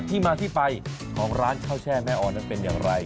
ที่มาที่ไปของร้านข้าวแช่แม่อ่อนนั้นเป็นอย่างไร